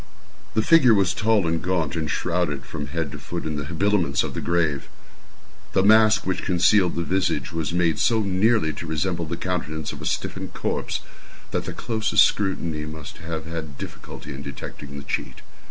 The figure was tall and gaunt, and shrouded from head to foot in the habiliments of the grave. The mask which concealed the visage was made so nearly to resemble the countenance of a stiffened corpse that the closest scrutiny must have had difficulty in detecting the cheat.